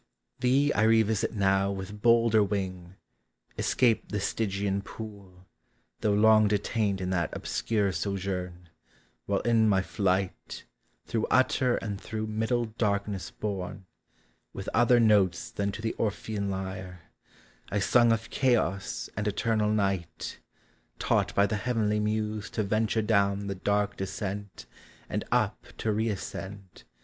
Thee I revisit now with bolder wing. Escaped the Stygian pool, though long detained In that obscure sojourn, while in my flight Through utter and through middle darkness borne, With other notes than to the Orphean lyre, I sung of Chaos and eternal Night, Taught by the heavenly Muse to venture down The dark descent, and up to reascend, •30 LIGHT: DAY: NIGHT.